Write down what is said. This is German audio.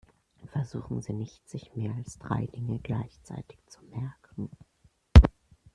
Versuchen Sie nicht, sich mehr als drei Dinge gleichzeitig zu merken.